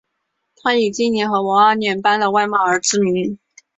她以精灵和娃娃脸般的外貌而知名。